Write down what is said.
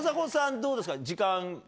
どうですか？